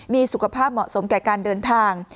มีสุขภาพเหมาะสมแก่การเดินทาง